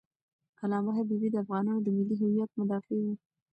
علامه حبیبي د افغانانو د ملي هویت مدافع و.